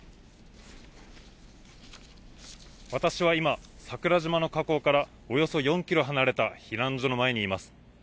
私は今、桜島の火口からおよそ４キロ離れた避難所の前にいます。